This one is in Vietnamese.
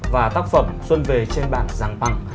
và tác phẩm xuân về trên bảng giảng bằng